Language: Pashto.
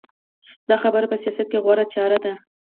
دا خبره په سیاست کې غوره چاره ده.